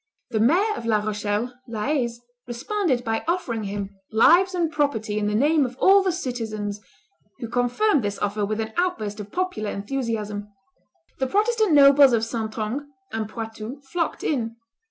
The mayor of La Rochelle, La Haise, responded by offering him "lives and property in the name of all the citizens," who confirmed this offer with an outburst of popular enthusiasm. The Protestant nobles of Saintonge and Poitou flocked in.